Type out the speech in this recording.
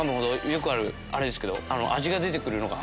よくあるあれですけど味が出て来るのが。